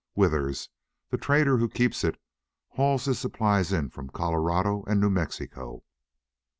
Withers, the trader who keeps it, hauls his supplies in from Colorado and New Mexico.